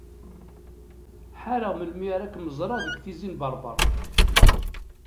Ḥareɣ melmi ara kem-ẓreɣ deg Tizi n Berber.